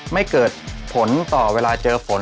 ไม่เกิดผลต่อเวลาเจอฝน